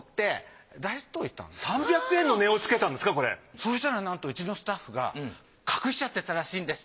そしたらなんとうちのスタッフが隠しちゃってたらしいんです。